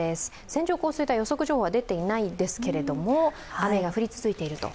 線状降水帯予測情報は出ていないですけれども、雨が降り続いていると。